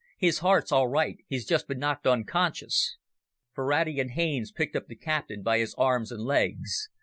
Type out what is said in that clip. "His heart's all right. He's just been knocked unconscious." Ferrati and Haines picked up the captain by his arms and legs.